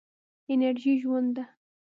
انرژي ژوند ده.